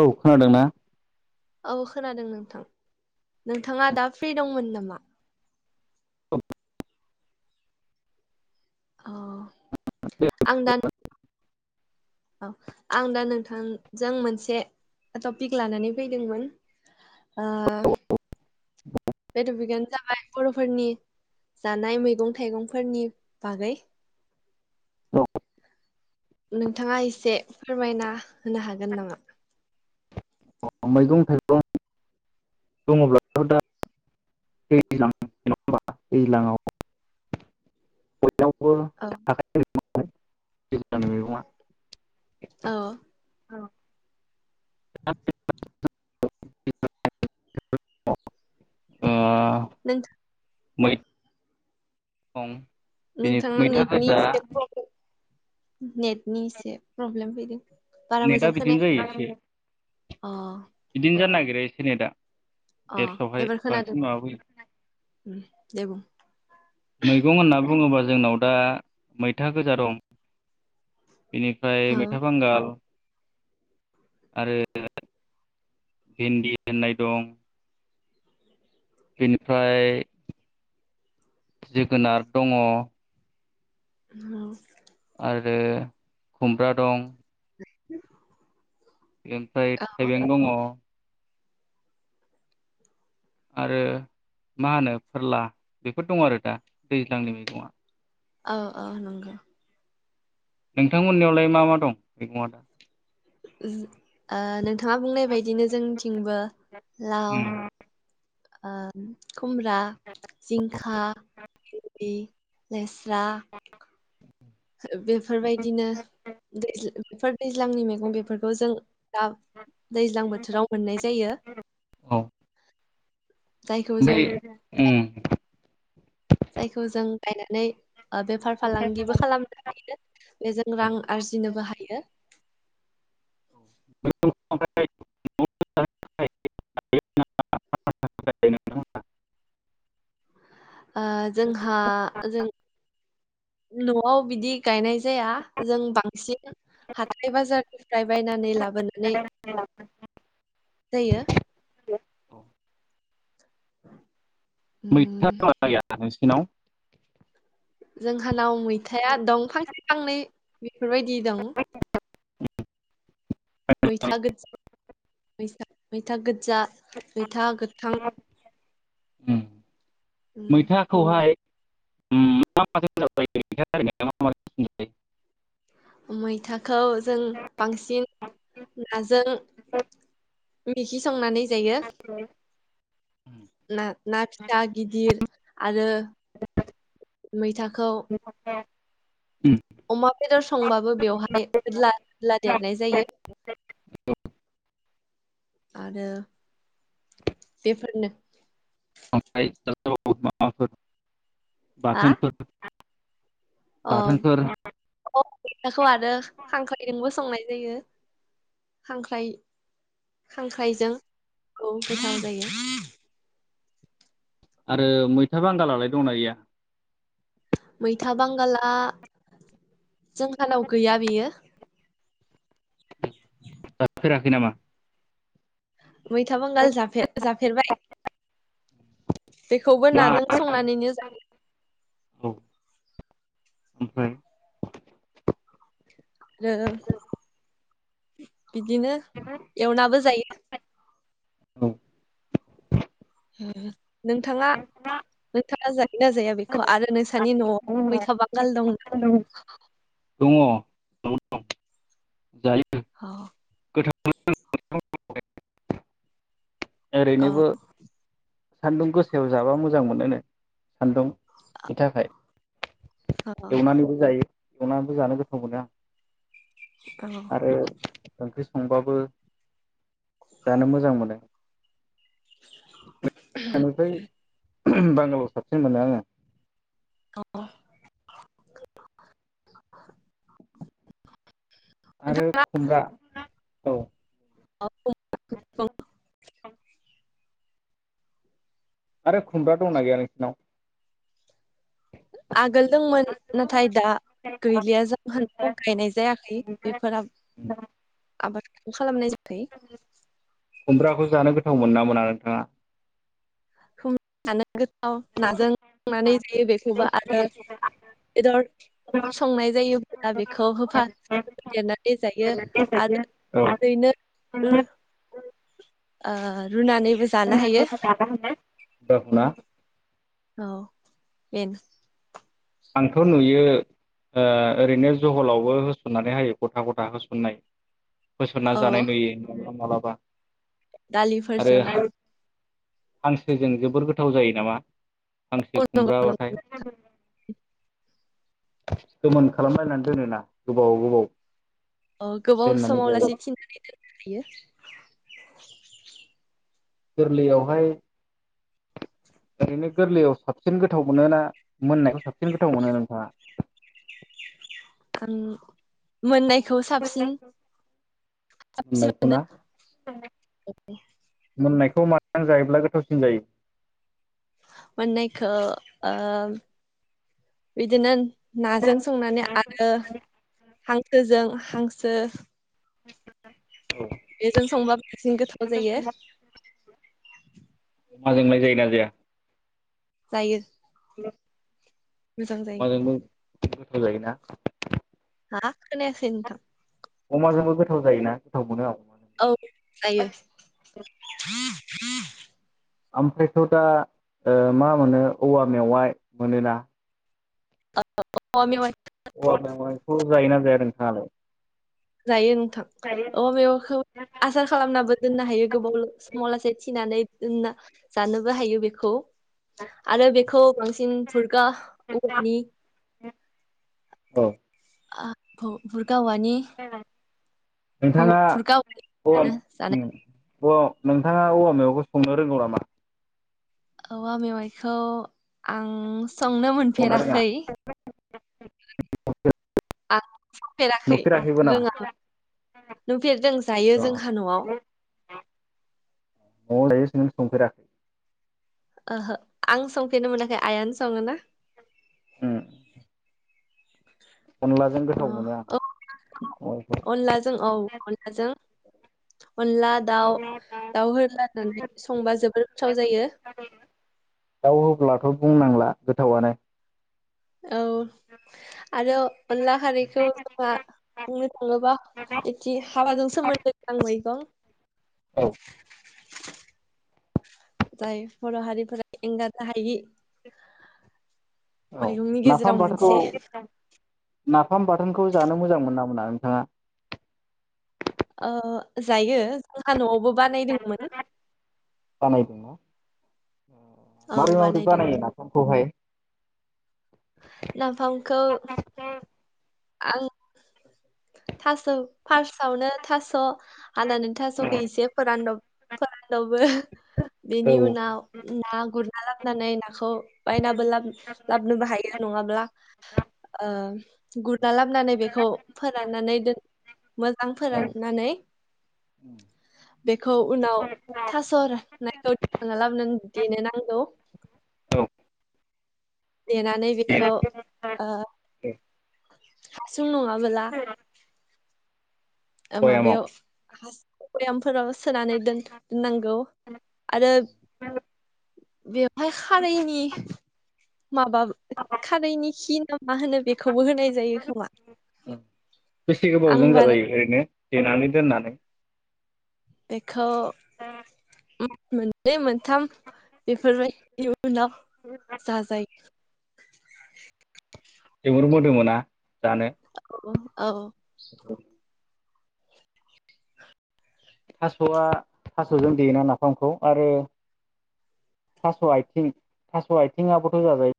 औ खोनादों ना? औ खोनादों नोंथां। नोंथाङा दा फ्रि दंमोन नामा? औ आं दान अ आं दा नोंथांजों मोनसे टपिक लानानै फैदोंमोन ओ [unintelligible] बे टपिकानो जाबाय बर'फोरनि जानाय मैगं थाइगंफोरनि बागै। नोंथाङा एसे फोरमायना होनो हागोन नामा? मैगं थाइगं बुङोब्लाथ' दा [unintelligible] होमबा दैज्लाङाव बयनायावबो औ। [unintelligible] [unintelligible] औ ओ नोंथ मैथा दं बिनि नोंथाङा मैथा नेटनि गोजा एसे प्रब्लेम नेटनि एसे प्रब्लेम फैदों। बारा नेटआ मोजां बिदिनो जायो खोनायाखै एसे अ। बिदिनो जानो नागिरा एसे नेटआ अ एप्सआवहाय बांसिन माबा फैयो। ओम देबुं। मैगं होनना बुङोबा जोंनाव दा मैथा गोजा दं बेनि औ फ्राय मैथा बांगाल आरो भिन्दि होननाय दं। बेनिफ्राय जोगोनार दङ। औ। आरो खुमब्रा दं। ओमफ्राय औ थाइबें दङ। आरो मा होनो फोरला बेफोर दं आरो दा दैज्लांनि मैंगङा। औ औ नंगौ। नोंथांमोननियाव लाय मा मा दं मैगङा दा? ओम ओ नोंथाङा बुंनाय बायदिनो जोंनिथिंबो लाव ओम खुमब्रा, जिंखा, भिनदि, लेस्रा ओ बेफोरबायदिनो दैज्लां फोर दैज्लांनि मैगं बेफोरखौ जों दा दैज्लां बोथोराव मोननाय जायो। जायखौ जों बै उम। जायखौ जों गायनानै बेफार फालांगिबो खालामनानै नो बेजों रां आरजिनोबो हायो। [inaudible] ओमफ्राय ओ जोंहा जों न'आव बिदि गायनाय जाया जों बांसिन हाथाय बाजारनिफ्राय बायनानै लाबोनानै जायो। [inaudible] मैथा उम दंना गैया नोंसिनाव? जोंहानाव मैथाया दं फां फांनै बेफोरबायदि दं। मैथा गोदजा मैथा-मैथा गोदजा मैथा गोथां। उम उम मैथा खौहाय मा [unintelligible] [unintelligible] मैथाखौ जों बांसिन नाजों बिसि संनानै जायो। उम ना-ना फिसा गिदिर आरो मैथाखौ [inaudible] अमा बेदर संबाबो बेवहाय होदला-होदला देरनाय जायो। आरो बेफोरनो [inaudible] हा बाथोनफोर अ बाथोनफोर [unintelligible] आरो खांख्रायजोंबो संनाय जायो। खांख्राइ खांख्राइजों औ गोथाव जायो। आरो मैथा बांगालालाय दंना गैया? मैथा बांगाला जोंहानाव गैया बेयो। जाफेराखै नामा? मैथा बांगाल जाफे-जाफेरबाय। बेखौबो ना नाजों संनानैनो जायो। औ ओमफ्राय आरो बिदिनो [inaudible] एवनाबो जायो। औ। उम नोंथाङा-नोंथाङा जायो ना जाया बेखौ आरो नों नि न'आव मैथा बांगाल दंना? हेल'। दङ। जायो। औ। गोथाव औ ओरैनोबो सान्दुं गोसायाव जाबा मोजां मोनोनो। सान्दुंनि थाखाय औ एवनानैबो जायो। एवनानैबो जानो गोथाव मोनो आं औ आरो ओंख्रि संबाबो जानो मोजां मोनो। गोदजा निफ्राय बांगालाव साबसिन मोनो आंङो। औ। नोंथां आरो खुमब्रा औ। [inaudible] आरो खुमब्रा दंना गैया नोंसिनाव? आगोल दंमोन नाथाय दा गैलिया जोंहानाव गायनाय जायाखै बेफोराव आबादखौ खालामनाय जाखायो। खुमब्राखौ जानो गोथाव मोनोना मोना नोंथाङा? जानो गोथाव नाजों संनानै जायो बेखौबा आरो बेदर संनाय जायोब्ला बेखौ होफा देरनानै जायो आरो औ ओरैनो उम ओ रुनानैबो जा रुनानैबो जानो हायो। औ ना औ देन्स आंथ' नुयो ओ ओरैनो जहलावबो होसननानै होयो गथा-गथा होसननाय होसनना औ जानाय नुयो माब्लाबा-माब्लाबा। आरो दालिफोरजों हांसोजों जोबोर गोथाव जायो नामा? हांसो खुमब्रा बाथाय। [unintelligible] गोमोन खालामलायनानै दोनोना गोबाव-गोबाव। औ गोबाव समाव लासे थिनानै दोननो हायो। गोरलैयावहाय ओरैनो गोरलैयाव साबसिन गोथाव मोनोना मोननायखौ साबसिन गोथाव मोनो नोंथाङा? आं मोननायखौ साबसिन-साबसिन मोननायखौ मोनो। ना मोननायखौ माजों जायोब्ला गोथावसिन जायो? मोननायखौ ओ बिदिनो नाजों संनाया आरो हांसोजों-हांसो औ बेजों संब्ला बांसिन गोथाव जायो। अमा जोंलाय जायो ना जाया? जायो। मोजां जायो अमाजोंबो गोथाव जायोना। हा खोनायासै नोंथां। अमाजोंबो गोथाव जायोना गोथाव मोनो आं। औ जायो। ओमफ्रायथ' दा ओ मा मोनो औवा मेवाइ मोनोना। औ औवा मेवाइ औवा मेवाइखौ जायोना जाया नोंथाङालाय? जायो नोंथां औवा मेवाइखौ आसार खालामनाबो दोननो हायो गोबाव समाव लासे थिनानै दोनना जानोबो हायो बेखौ। आरो बेखौ बांसिन फुरका औवानि औ। आ औ फुरगा औवानि खौ नोंथाङा फुरगा औवानिखौनो जानाय अ नोंथाङा औवा मेवाइखौ संनो रोंगौ नामा? औवा मेवाइखौ आं संनो संनो रोङा मोनफेराखै। आं संफेराखै नुफेराखैबो रोङा नामा? नालाय, नुफेरदों जायो जोंहा न'आव। न'आवलाय नों संफेराखै? ओहो आं संफेरनो मोनाखै आइयानो सङो ना। उम। अनलाजों अ गोथाव मोनो आं औ मेवाइखौ अनलाजों औ अ जों अनला दाउ दाउ होला होननानै संबा जोबोर। गोथाव जायो। दाउ होब्लाथ' बुंनांला गोथावालाय। आरो अनला खारैखौ। जोंहा बुंनो थाङोबा एखि हाबाजों सोमोन्दो गोनां मैगं। औ जाय बर' एंगारनो हायि। औ मैगंनि गेजेराव नाफाम बाथोनखौ मोनसे नाफाम बाथोनखौ जानो मोजां मोन ना मोना नोंथाङा? जायो जोंहा न'आवबो बानायदोंमोन। बानायदोंना औ माबोरै माबोरै बानायो बानायदोंमोन नाफामखौहाय। नाफामखौ आं थास' फार्सआवनो थास' हानानैनि थास'खौ इसे फोरानदब। फोरानदबो औ बेनि उनाव ना गुरना लाबनानै नाखौ बायनाबो ला लाबनोबो हायो नङाब्ला। गुरना लाबानै बेखौ फोरा फोराननानै दोन मोजां फोराननानै बेखौ उनाव थासरनायखौना लाबोनानै देनो नांगौ। औ देनानै बेखौ ओ हासुं नङाबोला औ। माबायाव ह गयामफोराव सोनानै दोन दोननांगौ आरो बेवहाय खारैनि माबा खारैनि हिनाम मा होनो बेखौबो होनाय जायो खोमा बेसे आं गोबावजों बारा जाजायो ओरैनो। देनानै दोननानै बेखौ उम मोननै मोनथाम बेफोरबायदि जाजायो। जोबोर मोदोमोना जानो। औ। औ। थास'आ थास'जों देयोना नाफामखौ आरो थास' आथिं थास' आथिंआबोथ' जा जायो।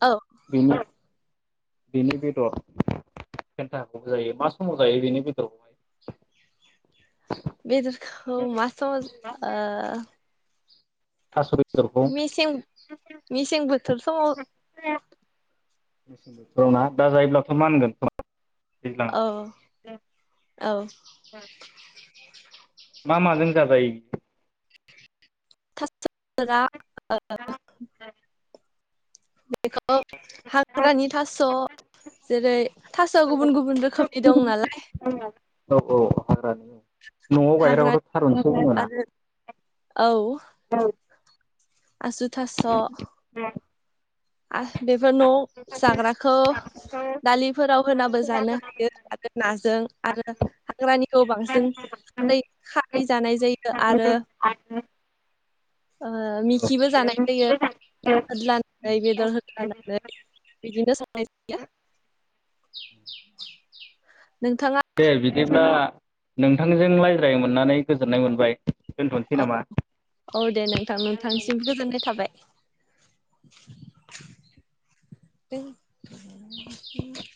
औ। बिनि उनाव। बेनि बेदर खन्था हाखौबो जायो मा समाव जायो बेनि बेदरखौहाय बेदरखौ मा समाव ओ थास बेदरखौ मेसें मेसें बोथोर समाव मेसें बोथोराव ना दा जायोब्लाथ' होनगोन। अह औ। मा माजों जाजायो। थास' बेदरा। औ। बेखौ हाग्रानि थास' जेरै थास'आ गुबुन गुबुन रोखोमनि दं नालाय। औ औ हाग्रानि न'आव हाग्रानि गायग्राखौथ' थारुनसो बुङोना। आरो औ आसु थास'। दे। अह बेफोर न' जाग्राखौ दालिफोराव होनाबो जानो हायो आरो नाजों आरो हाग्रानिखौ बांसिन रै खारै जानाय जायो आरो [inaudible] ओ औ मिखिबो जानाय नुयो ना होदलानानै बेदर होदलानानै। बिदिनो सनाय जायो। नोंथाङा दे बिदिब्ला नोंथांजों रायज्लायनो मोननानै गोजोननाय मोनबाय। दोनथ'नोसै नामा? अ' औ दे नोंथां नोंथांनिसिम गोजोननाय थाबाय। [unintelligible]